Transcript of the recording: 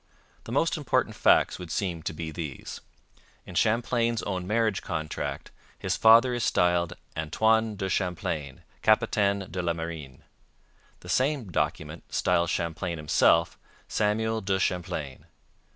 The most important facts would seem to be these. In Champlain's own marriage contract his father is styled 'Antoine de Champlain, Capitaine de la Marine.' The same document styles Champlain himself 'Samuel de Champlain.'